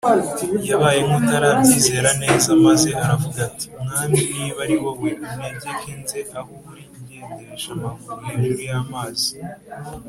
yabaye nk’utarabyizera neza, maze aravuga ati, “mwami niba ari wowe, untegeke nze aho uri ngendesha amaguru hejuru y’amazi